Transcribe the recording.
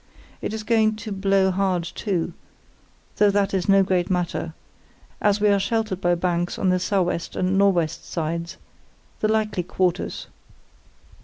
It is going to blow hard too, though that is no great matter, as we are sheltered by banks on the sou' west and nor' west sides, the likely quarters.